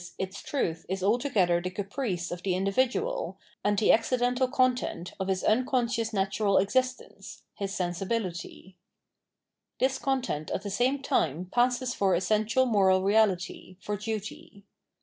its truth is altogether the caprice of the individual, and the accidental content of his uncon scious natural existence [his sensibility]. This content at the same time passes for essential moral reality, for duty.